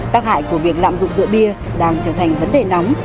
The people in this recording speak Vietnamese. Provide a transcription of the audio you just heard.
tác hại của việc lạm dụng rượu bia đang trở thành vấn đề nóng